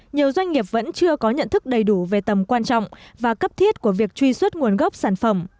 nhiều doanh nghiệp vẫn chưa có nhận thức đầy đủ về tầm quan trọng và cấp thiết của việc truy xuất nguồn gốc sản phẩm